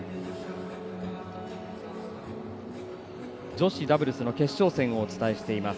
女子ダブルスの決勝戦をお伝えしています。